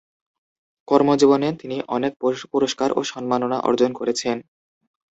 কর্মজীবনে তিনি অনেক পুরস্কার ও সম্মাননা অর্জন করেছেন।